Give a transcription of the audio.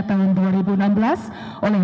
tahun dua ribu enam belas oleh